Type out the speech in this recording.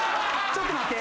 ちょっと待って。